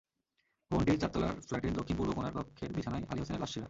ভবনটির চারতলার ফ্ল্যাটের দক্ষিণ-পূর্ব কোনার কক্ষের বিছানায় আলী হোসেনের লাশ ছিল।